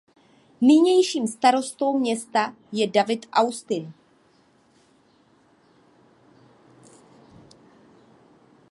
Nynějším starostou města je David Austin.